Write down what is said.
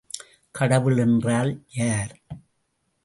கடவுள் என்றால் யார்?